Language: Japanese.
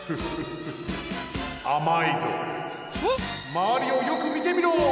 ・まわりをよくみてみろ！